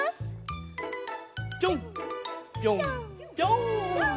ぴょんぴょんぴょん！